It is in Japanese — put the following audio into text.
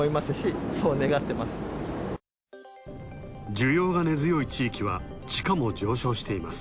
需要が根強い地域は地価も上昇しています。